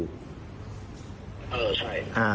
เออใช่